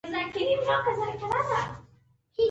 زه همدا اوس په ننګرهار کښي يم.